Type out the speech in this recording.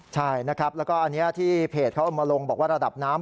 ใช่นะครับแล้วก็อันนี้ที่เพจเขาเอามาลงบอกว่าระดับน้ำ